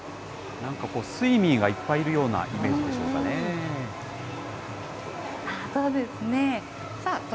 なんかこう、スイミーがいっぱいいるようなイメージでしょうそうですね。